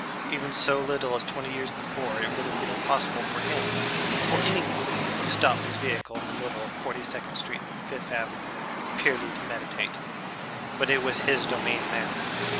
Even so little as twenty years before, it would have been impossible for him for anyone to stop his vehicle in the middle of Forty second Street and Fifth Avenue purely to meditate. But it was his domain now.